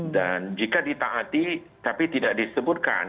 dan jika ditaati tapi tidak disebutkan